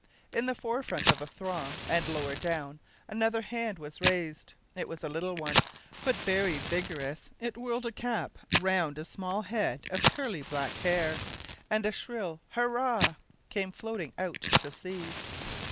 In the forefront of the throng, and lower down, another hand was raised; it was a little one, but very vigorous; it whirled a cap round a small head of curly black hair, and a shrill "hurrah!" came floating out to sea.